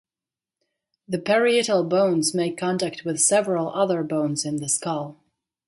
The parietal bones make contact with several other bones in the skull.